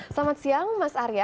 selamat siang mas arya